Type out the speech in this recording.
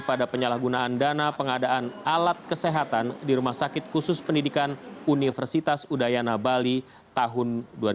pada penyalahgunaan dana pengadaan alat kesehatan di rumah sakit khusus pendidikan universitas udayana bali tahun dua ribu dua